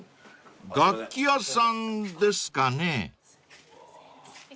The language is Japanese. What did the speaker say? ［楽器屋さんですかね？］